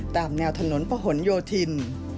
ตามแนวถนนพะหนโยธิน